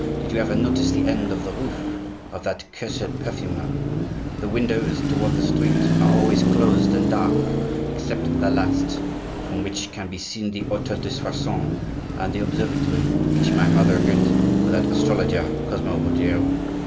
Did you ever notice the end of the roof of that cursed perfumer? The windows toward the street are always closed and dark, except the last, from which can be seen the hotel de Soissons and the observatory which my mother built for that astrologer, Cosmo Ruggiero.